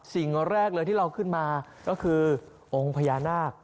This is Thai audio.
สิ่งแรกเลยที่เราขึ้นมาก็คือองค์พญานาค